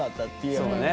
そうね。